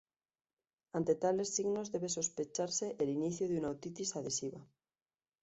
Ante tales signos debe sospecharse el inicio de una otitis adhesiva.